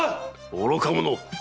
愚か者！